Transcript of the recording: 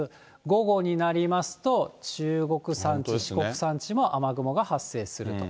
午後になりますと、中国山地、四国山地も雨雲が発生すると。